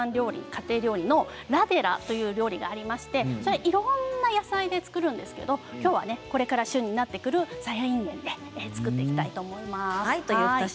家庭料理のラデラというものがありましていろんな野菜で作るんですがきょうは、これから旬になってくるさやいんげんで作っていきたいと思います。